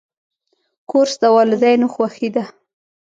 کورس د والدینو خوښي ده.